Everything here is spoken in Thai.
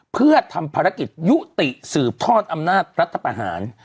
เพื่อทำภารกิจยุติสืบทอดอำนาจรัฐประหาร